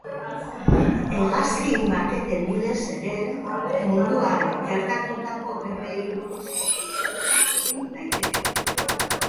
Hegazkin-maketen bidez ere, munduan gertatutako gerrei buruzko ikerketa egin daiteke.